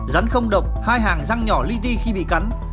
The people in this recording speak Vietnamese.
rắn không độc hai hàng răng nhỏ li ti khi bị cắn